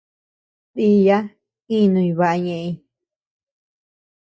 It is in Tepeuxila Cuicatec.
Díya inuñ baʼa ñeʼeñ.